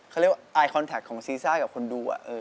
เขาเรียกว่าสีสารของซีซ่ากับคนดู